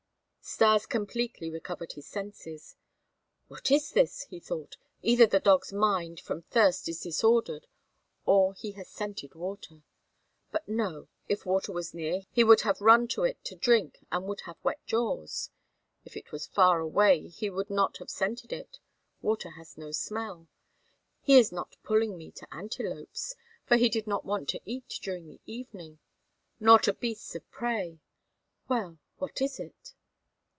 Stas completely recovered his senses. "What is this?" he thought. "Either the dog's mind, from thirst, is disordered or he has scented water. But no! If water was near he would have run to it to drink and would have wet jaws. If it was far away, he would not have scented it water has no smell. He is not pulling me to antelopes, for he did not want to eat during the evening. Nor to beasts of prey. Well, what is it?"